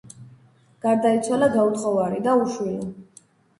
გარდაიცვალა გაუთხოვარი და უშვილო.